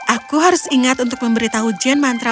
aku harus ingat untuk memberitahu jane mantra